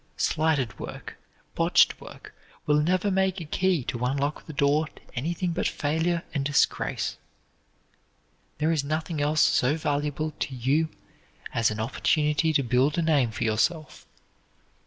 Slighted work, botched work, will never make a key to unlock the door to anything but failure and disgrace. There is nothing else so valuable to you as an opportunity to build a name for yourself.